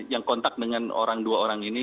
yang kontak dengan orang dua orang ini